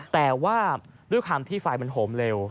แต่ว่าด้วยความที่ไฟมันโหมเร็ว